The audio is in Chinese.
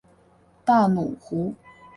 大奴湖。